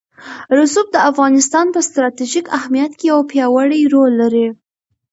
رسوب د افغانستان په ستراتیژیک اهمیت کې یو پیاوړی رول لري.